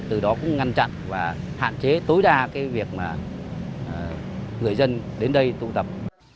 từ đó cũng ngăn chặn và hạn chế tối đa việc người dân đến đây tụ tập